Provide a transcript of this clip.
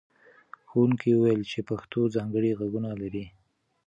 ښوونکي وویل چې پښتو ځانګړي غږونه لري.